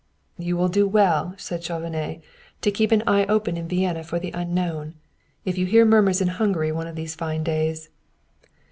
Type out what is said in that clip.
"You will do well," said Chauvenet, "to keep an eye open in Vienna for the unknown. If you hear murmurs in Hungary one of these fine days